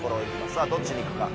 さあどっちに行くか。